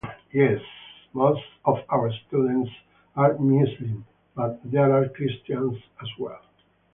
Yes, most of our students are Muslim, but there are Christians as well.